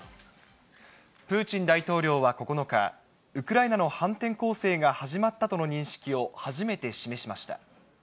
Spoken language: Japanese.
プーチン大統領は９日、ウクライナの反転攻勢が始まったとの認識を初めて示しました。